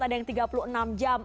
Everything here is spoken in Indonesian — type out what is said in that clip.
ada yang tiga puluh enam jam